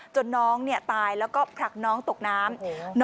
น้องตายแล้วก็ผลักน้องตกน้ำ